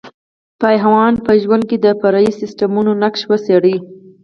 په حیوان په ژوند کې د فرعي سیسټمونو نقش وڅېړئ.